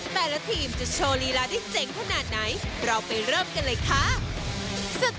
แต่ละทีมจะโชว์ลีลาได้เจ๋งขนาดไหนเราไปเริ่มกันเลยค่ะ